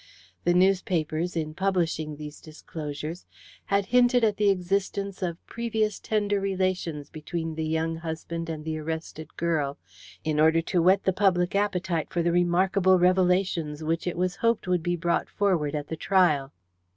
The newspapers, in publishing these disclosures, had hinted at the existence of previous tender relations between the young husband and the arrested girl, in order to whet the public appetite for the "remarkable revelations" which it was hoped would be brought forward at the trial.